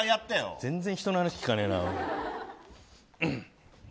全然人の話聞かないな。